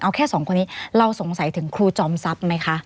เอาแค่สองคนนี้เราสงสัยถึงครูจอมทรัพย์ไหมคะ